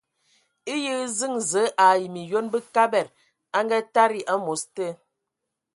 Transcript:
Eyǝ hm ziŋ zəǝ ai myɔŋ Bəkabad e ngatadi am̌os te.